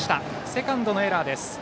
セカンドのエラーです。